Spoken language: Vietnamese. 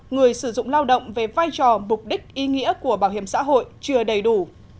người sử dụng lao động về vai trò mục đích ý nghĩa của bảo hiểm xã hội chưa đầy đủ